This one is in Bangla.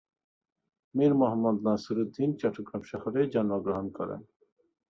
মীর মোহাম্মদ নাসিরুদ্দিন চট্টগ্রাম শহরে জন্মগ্রহণ করেন।